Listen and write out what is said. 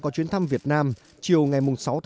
truyền thống văn hóa và giáo dục